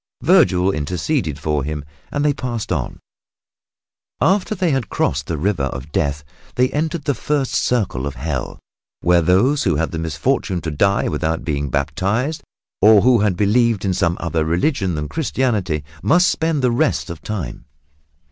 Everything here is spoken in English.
Vergil interceded for him, and they passed on. After they had crossed the River of Death they entered the first circle of Hell, where those who had the misfortune to die without being baptized, or who had believed in some other religion than Christianity, must spend the rest of time.